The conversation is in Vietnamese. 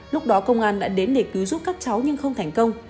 lúc đó công an đã đến để cứu giúp các cháu nhưng không thành công